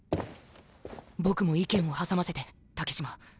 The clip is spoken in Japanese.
僕も意見を挟ませて竹島。